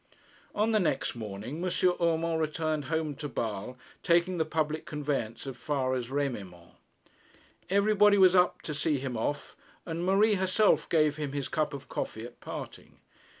On the next morning M. Urmand returned home to Basle, taking the public conveyance as far as Remiremont. Everybody was up to see him off, and Marie herself gave him his cup of coffee at parting.